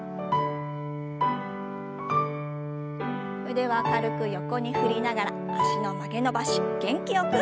腕は軽く横に振りながら脚の曲げ伸ばし元気よく。